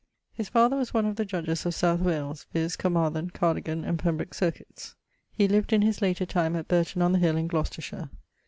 His father was one of the judges of South Wales, viz. Caermarthen, Cardigan, and Pembroke circuites. He lived in his later time at Burghton on the hill in Glocestershire.